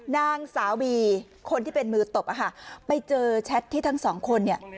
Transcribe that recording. นางสาวบีคนที่เป็นมือตบอะค่ะไปเจอแชทที่ทั้งสองคนเนี่ย